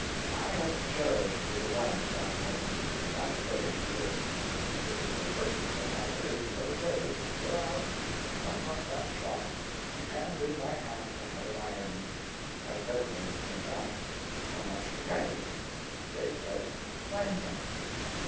I have cherished the delight of that moment from that day to this. It was the first thing I did the other day to go and hunt up that shop and hand in my hat to have it ironed. I said when it came back, "How much to pay?" They said, "Ninepence."